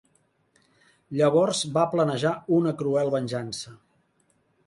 Llavors va planejar una cruel venjança.